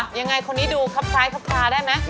ฮะอย่างไรคนนี้ดูครับท้ายครับท้าได้ไหม